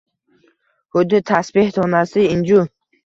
Huddi tasbeh donasi, inju